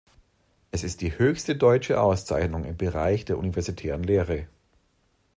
Es ist die höchste deutsche Auszeichnung im Bereich der universitären Lehre.